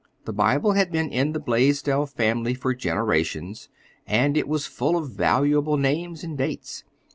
The Bible had been in the Blaisdell family for generations, and it was full of valuable names and dates.